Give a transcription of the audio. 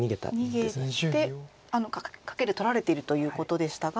逃げてカケで取られているということでしたが。